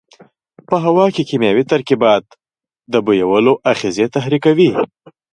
په هوا کې کیمیاوي ترکیبات د بویولو آخذې تحریکوي.